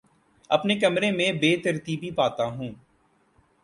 اپنے کمرے میں بے ترتیبی پاتا ہوں